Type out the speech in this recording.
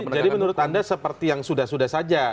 jadi menurut anda seperti yang sudah sudah saja